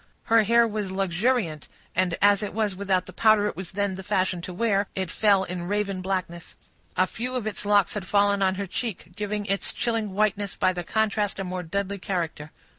Her hair was luxuriant, and as it was without the powder it was then the fashion to wear, it fell in raven blackness. A few of its locks had fallen on her cheek, giving its chilling whiteness by the contrast a more deadly character. Dr.